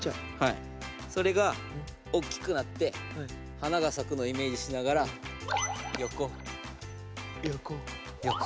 それが大きくなって花がさくのをイメージしながらよこ。